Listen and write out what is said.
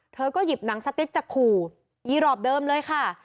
เธอก็หยิบหนังสติ๊กจะขู่อีรอปเดิมเลยค่ะ